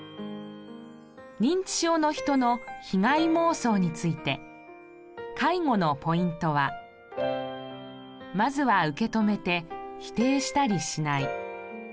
認知症の人の被害妄想について介護のポイントはまずは受け止めて否定したりしない。